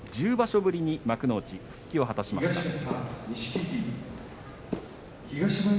１０場所ぶりに幕内復帰を果たしました。